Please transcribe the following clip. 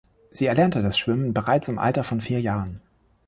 Sie erlernte das Schwimmen bereits im Alter von vier Jahren.